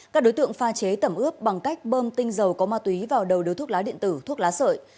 các đối tượng pha chế tẩm ướp bằng cách bơm tinh dầu có ma túy vào đầu đều thuốc lá điện tử thuốc lá sợi